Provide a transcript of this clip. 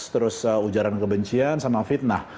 terus ujaran kebencian sama fitnah